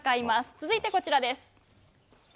続いて、こちらです。